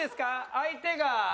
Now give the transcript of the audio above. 相手が。